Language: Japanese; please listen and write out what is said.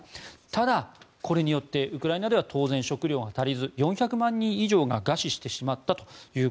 ただ、これによってウクライナでは当然、食糧が足りず４００万人以上が餓死してしまったと。